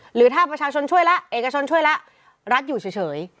หรือถ้าประชาชนช่วยแล้วเอกชนช่วยแล้วรัฐอยู่เฉย